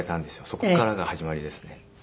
そこからが始まりですね。